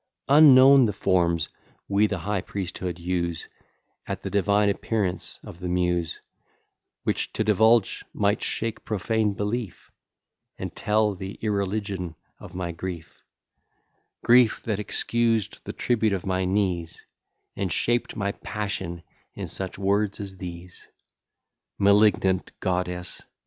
Unknown the forms we the high priesthood use At the divine appearance of the Muse, Which to divulge might shake profane belief, And tell the irreligion of my grief; Grief that excused the tribute of my knees, And shaped my passion in such words as these! Malignant goddess!